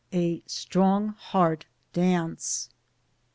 A "strong heart" dance!